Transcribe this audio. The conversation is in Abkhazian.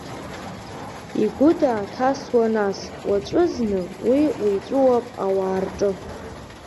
Игәы дааҭасуа нас, уаҵәы зны, уи уиҵәуап ауаа рҿы…